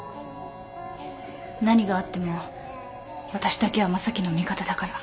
何があっても私だけは正樹の味方だから。